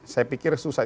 saya pikir susah